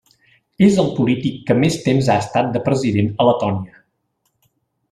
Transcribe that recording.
És el polític que més temps ha estat de president a Letònia.